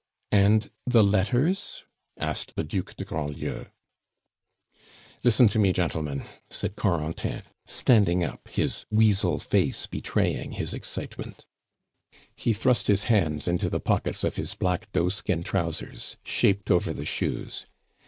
"And the letters?" asked the Duc de Grandlieu. "Listen to me, gentlemen," said Corentin, standing up, his weasel face betraying his excitement. He thrust his hands into the pockets of his black doeskin trousers, shaped over the shoes.